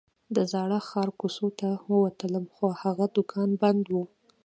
د زاړه ښار کوڅو ته ووتلم خو هغه دوکان بند و.